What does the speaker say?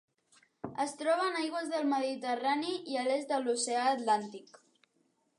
Es troba en aigües del Mediterrani i a l'est de l'Oceà Atlàntic.